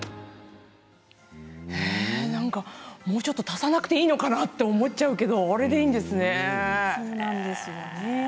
もうちょっと足さなくていいのかなと思っちゃうけどあれでいいんですね。